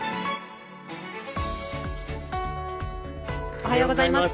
おはようございます。